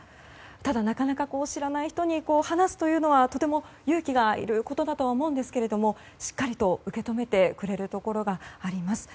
ただ、なかなか知らない人に話すというのはとても勇気がいることだとは思うんですけれどもしっかりと受け止めてくれるところがあります。